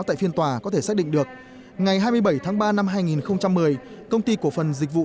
tại phiên tòa có thể xác định được ngày hai mươi bảy tháng ba năm hai nghìn một mươi công ty cổ phần dịch vụ